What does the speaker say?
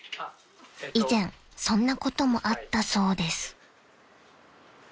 ［以前そんなこともあったそうです］